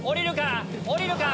下りるか？